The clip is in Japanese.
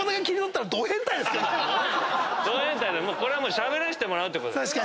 しゃべらせてもらうってことで。